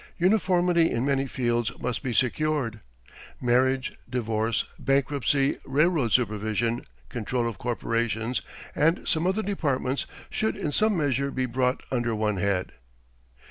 Uniformity in many fields must be secured. Marriage, divorce, bankruptcy, railroad supervision, control of corporations, and some other departments should in some measure be brought under one head.